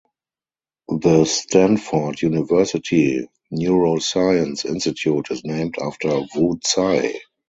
The Stanford University neuroscience institute is named after Wu Tsai.